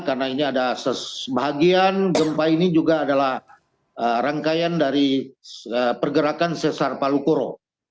karena ini ada sebahagian gempa ini juga adalah rangkaian dari pergerakan sesar palukoro